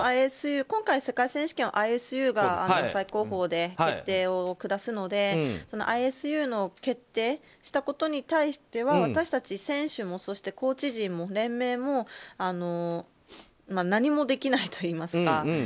今回、世界選手権はＩＳＵが最高峰で決定を下すのでＩＳＵの決定したことに対しては私たち選手もそしてコーチ陣も連盟も何もできないといいますか。